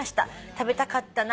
「食べたかったな。